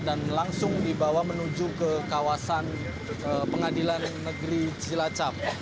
dan langsung dibawa menuju ke kawasan pengadilan negeri cilacap